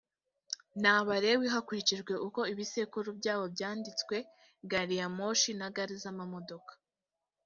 ni abalewi hakurikijwe uko ibisekuru byabo byanditswe gari ya moshi na gare z’amamodoka